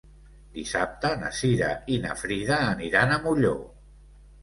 Dissabte na Cira i na Frida aniran a Molló.